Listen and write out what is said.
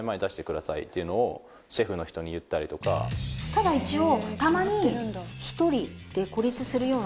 ただ一応。